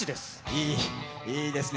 いい、いいですね。